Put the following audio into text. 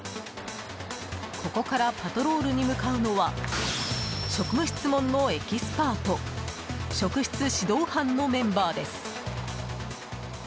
ここからパトロールに向かうのは職務質問のエキスパート職質指導班のメンバーです。